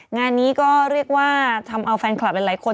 งานนี้ก็เรียกว่าทำเอาแฟนคลับหลายคน